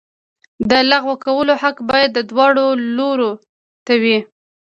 د لغوه کولو حق باید دواړو لورو ته وي.